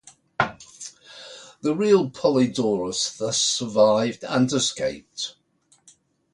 The real Polydorus thus survived and escaped.